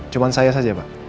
cuman saya saja pak